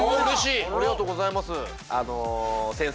ありがとうございます。